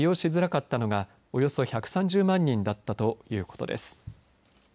データ通信を利用しづらかったのがおよそ１３０万人だったということです。